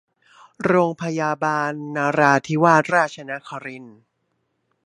โรงพยาบาลนราธิวาสราชนครินทร์